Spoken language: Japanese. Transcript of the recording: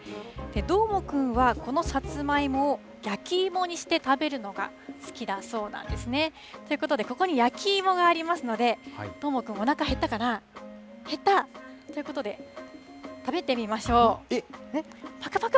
どーもくんはこのさつまいもを焼き芋にして食べるのが好きだそうなんですね。ということで、ここに焼き芋がありますので、どーもくん、おなか減ったかな？減った？ということで、食べてみましょう。